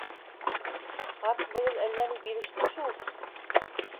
— Ҡарт быйыл әллә ни биреште шул.